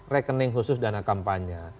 rekening khusus dana kampanye